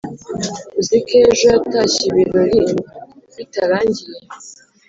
uziko ejo yatashye ibirori bitarangiye"